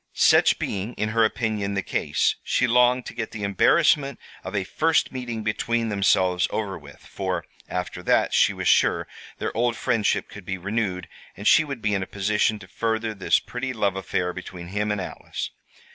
Such being, in her opinion, the case, she longed to get the embarrassment of a first meeting between themselves over with, for, after that, she was sure, their old friendship could be renewed, and she would be in a position to further this pretty love affair between him and Alice.